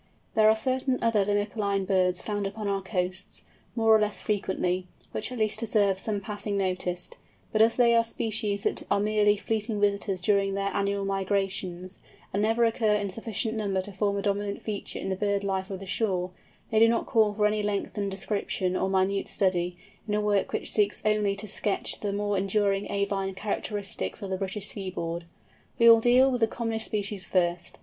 There are certain other Limicoline birds found upon our coasts, more or less frequently, which at least deserve some passing notice; but as they are species that are merely fleeting visitors during their annual migrations, and never occur in sufficient number to form a dominant feature in the bird life of the shore, they do not call for any lengthened description, or minute study, in a work which seeks only to sketch the more enduring avine characteristics of the British seaboard. We will deal with the commonest species first.